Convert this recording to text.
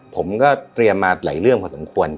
ผมก็เตรียมมาหลายเรื่องพอสมควร